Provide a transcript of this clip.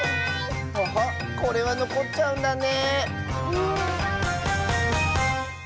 これはのこっちゃうんだね。